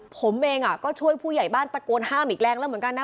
ผมเองก็ช่วยผู้ใหญ่บ้านตะโกนห้ามอีกแรงแล้วเหมือนกันนะ